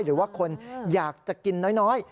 หรือว่าคนอยากจะกินน้อย